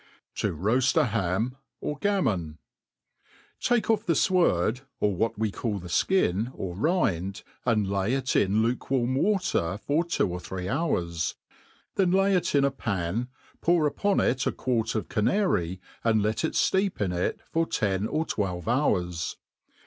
To roqft a Ham or Gammon. TAKE off the fwerd, ^r what we call the ikin, or rind, apd lay it in lukewarm wafec for two or three hours ; then lay jt iji a pan, pour upon it a quarit of canary, and let it fleep in itjojr ten or iw^Ive hours.